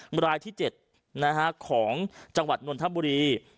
มรายที่๗ของจังหวัดนวลธับบุรี